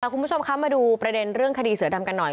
คุณผู้ชมคะมาดูประเด็นเรื่องคดีเสือดำกันหน่อย